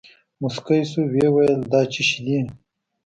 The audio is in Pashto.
موسکى سو ويې ويل دا چي شې دي.